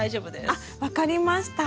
あっ分かりました。